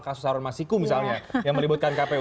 kasus harun masiku misalnya yang melibatkan kpu